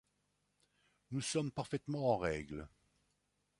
Nous sommes parfaitement en règle.